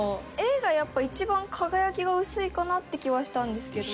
Ａがやっぱ一番輝きが薄いかなって気はしたんですけど。